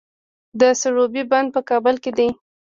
د سروبي بند په کابل کې دی